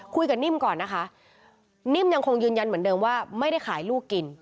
นิ่มก่อนนะคะนิ่มยังคงยืนยันเหมือนเดิมว่าไม่ได้ขายลูกกิน